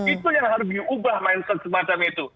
itu yang harus diubah mindset semacam itu